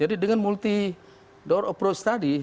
jadi dengan multi door approach tadi